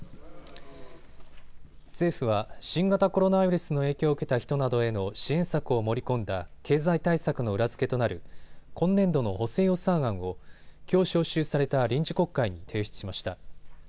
政府は新型コロナウイルスの影響を受けた人などへの支援策を盛り込んだ経済対策の裏付けとなる今年度の補正予算案をきょう召集された臨時国会に提出しました。